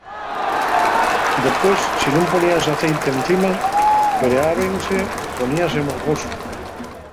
Depués si nun ponías aceite encima preábanse, poníase mofosu.